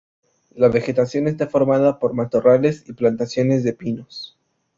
La vegetación está formada por matorrales y plantaciones de pinos.